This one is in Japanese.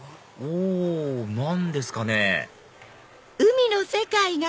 お何ですかね？